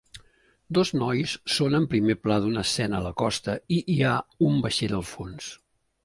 Dos nois són en primer pla d'una escena a la costa i hi ha un vaixell al fons.